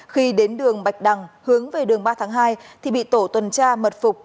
khi đến đường bạch đăng hướng về đường ba tháng hai thì bị tổ tuần tra mật phục